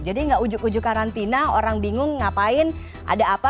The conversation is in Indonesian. jadi gak ujug ujug karantina orang bingung ngapain ada apa